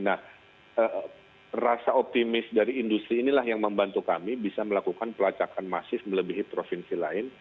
nah rasa optimis dari industri inilah yang membantu kami bisa melakukan pelacakan masif melebihi provinsi lain